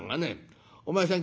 お前さん